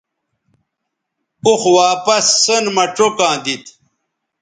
اوخ واپس سین مہ چوکاں دیتھ